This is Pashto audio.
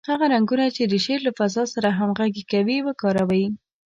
هغه رنګونه چې د شعر له فضا سره همغږي کوي، وکاروئ.